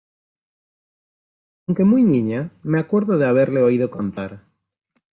aunque muy niña, me acuerdo de haberle oído contar...